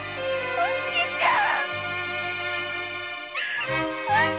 お七ちゃん。